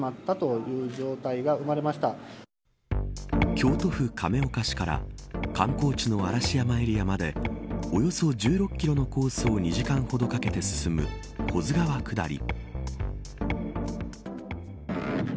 京都府亀岡市から観光地の嵐山エリアまでおよそ１６キロのコースを２時間ほどかけて進む保津川下り。